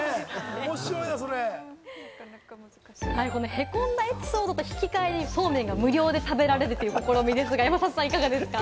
へこんだエピソードと引き換えにそうめんが無料で食べられるという試みですが、山里さん、いかがですか？